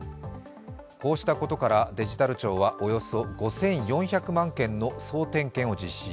こうしたことからデジタル庁はおよそ５４００万件の総点検を実施。